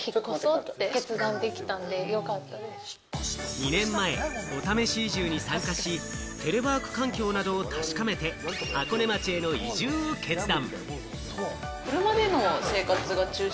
２年前、お試し移住に参加し、テレワーク環境などを確かめて、箱根町への移住を決断。